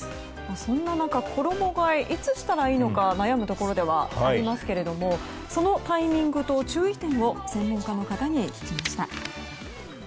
そんな中、衣替えいつしたらいいのか悩むところではありますがそのタイミングと注意点を専門家の方に聞きました。